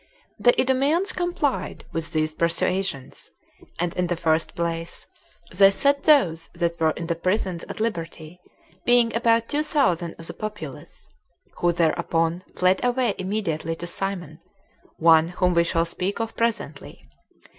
1. The Idumeans complied with these persuasions; and, in the first place, they set those that were in the prisons at liberty, being about two thousand of the populace, who thereupon fled away immediately to Simon, one whom we shall speak of presently.